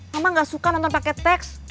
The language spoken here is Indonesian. mama gak suka nonton pakai teks